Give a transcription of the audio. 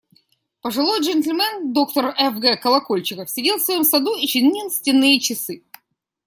Пожилой джентльмен, доктор Ф. Г. Колокольчиков, сидел в своем саду и чинил стенные часы.